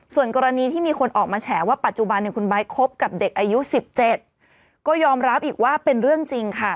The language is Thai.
ส่วนกรณีที่มีคนออกมาแฉว่าปัจจุบันคุณไบท์คบกับเด็กอายุ๑๗ก็ยอมรับอีกว่าเป็นเรื่องจริงค่ะ